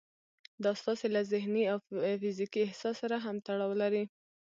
دا ستاسې له ذهني او فزيکي احساس سره هم تړاو لري.